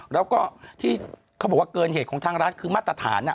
แล้วก็ที่เขาบอกว่าเกินเหตุของทางร้านคือมาตรฐาน